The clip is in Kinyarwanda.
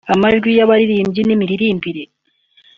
amajwi y’abarirmbyi n’imiririmbire